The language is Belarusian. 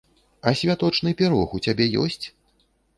А святочны пірог у цябе ёсць?